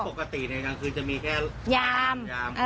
ปกติในกลางคืนจะมีแค่ยามยาม